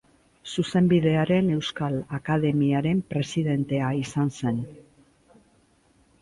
Zuzenbidearen Euskal Akademiaren presidentea izan zen.